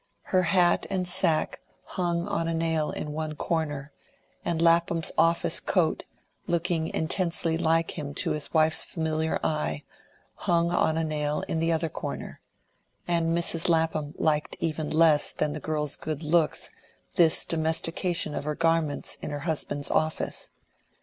Her hat and sack hung on a nail in one corner, and Lapham's office coat, looking intensely like him to his wife's familiar eye, hung on a nail in the other corner; and Mrs. Lapham liked even less than the girl's good looks this domestication of her garments in her husband's office.